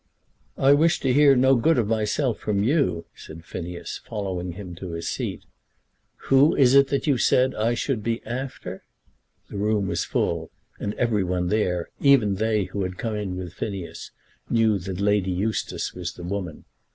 "I wish to hear no good of myself from you," said Phineas, following him to his seat. "Who is it that you said, I should be after?" The room was full, and every one there, even they who had come in with Phineas, knew that Lady Eustace was the woman.